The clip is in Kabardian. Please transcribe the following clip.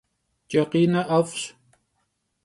Ç'ekhine 'ef'ş.